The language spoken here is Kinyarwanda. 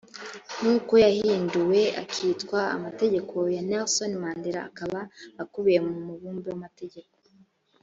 nk uko yahinduwe akitwa amategeko ya nelson mandela akaba akubiye mu mubumbe w amategeko